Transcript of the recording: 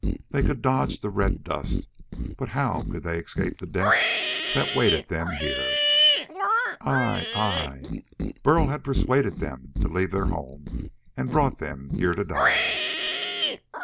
They could dodge the red dust, but how could they escape the deaths that waited them here? Ai! Ai! Burl had persuaded them to leave their home and brought them here to die....